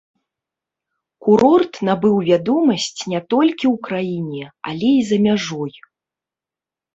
Курорт набыў вядомасць не толькі ў краіне, але і за мяжой.